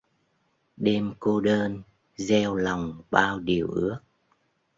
Đêm cô đơn gieo lòng bao điều ước